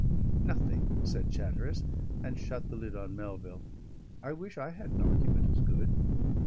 "Nothing," said Chatteris, and shut the lid on Melville. "I wish I had an argument as good."